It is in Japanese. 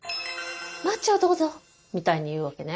「マッチをどうぞ」みたいに言うわけね。